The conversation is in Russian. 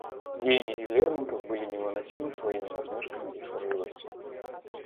Гейне и Лермонтов были невыносимы своими насмешками и сварливостью.